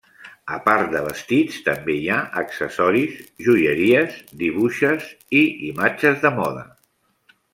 A part de vestits, també hi ha accessoris, joieries, dibuixes i imatges de moda.